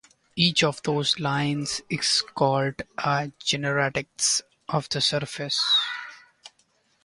Each of those lines is called a "generatrix" of the surface.